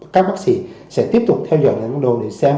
các bác sĩ sẽ tiếp tục theo dõi những cái đồ để xem